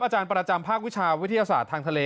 อาจารย์ประจำภาควิชาวิทยาศาสตร์ทางทะเล